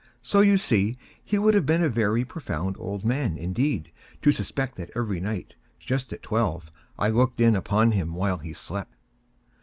So you see he would have been a very profound old man, indeed, to suspect that every night, just at twelve, I looked in upon him while he slept.